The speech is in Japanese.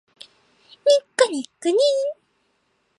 にっこにっこにー